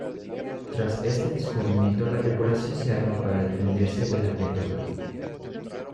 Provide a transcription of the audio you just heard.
Tras este descubrimiento la tripulación se arma para defenderse de la criatura.